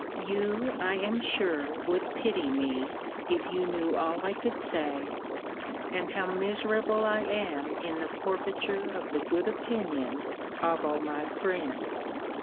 You, I am sure, would pity me, if you knew all I could say, and how miserable I am in the forfeiture of the good opinion of all my friends.